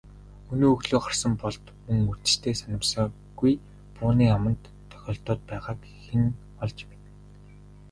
Өнөө өглөө гарсан Болд мөн үдэштээ санамсаргүй бууны аманд тохиолдоод байгааг хэн олж мэднэ.